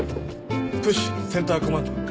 プッシュセンターコマンド。